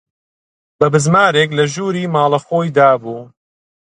بە بزمارێک لە ژووری ماڵە خۆی دابوو